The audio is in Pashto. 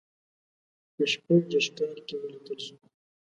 په شپږ دېرش کال کې ولیکل شو.